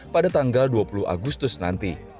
pada tanggal dua puluh agustus nanti